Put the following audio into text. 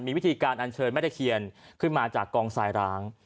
มีวิธีการอันเชิญแม่ตะเคียนขึ้นมาจากกองทรายร้าง